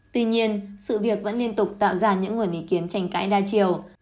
tuy nhiên sự việc vẫn liên tục tạo ra những nguồn ý kiến tranh cãi đa chiều